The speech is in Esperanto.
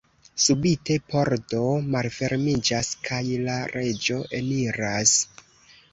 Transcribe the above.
Subite pordo malfermiĝas, kaj la reĝo eniras.